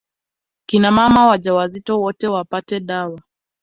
Kina mama wajawazito wote wapate dawa